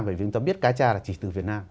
vì chúng ta biết ca cha là chỉ từ việt nam